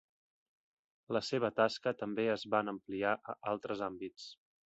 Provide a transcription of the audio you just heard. La seva tasca també es van ampliar a altres àmbits.